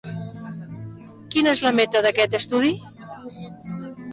Quina és la meta d'aquest estudi?